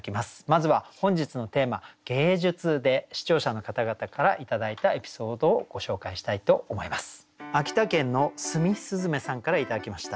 まずは本日のテーマ「芸術」で視聴者の方々から頂いたエピソードをご紹介したいと思います。